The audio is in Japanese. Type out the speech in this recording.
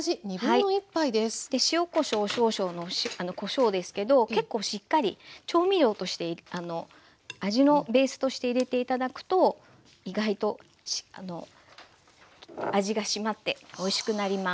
塩・こしょう少々のこしょうですけど結構しっかり調味料として味のベースとして入れて頂くと意外と味が締まっておいしくなります。